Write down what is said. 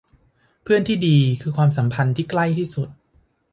เพื่อนที่ดีคือความสัมพันธ์ที่ใกล้ที่สุด